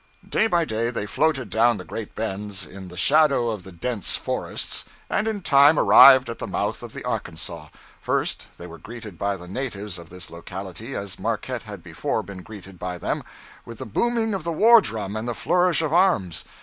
Day by day they floated down the great bends, in the shadow of the dense forests, and in time arrived at the mouth of the Arkansas. First, they were greeted by the natives of this locality as Marquette had before been greeted by them with the booming of the war drum and the flourish of arms.